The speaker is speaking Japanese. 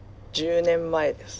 １０年前です。